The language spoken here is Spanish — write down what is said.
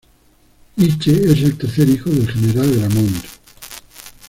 Guiche es el tercer hijo del general Gramont.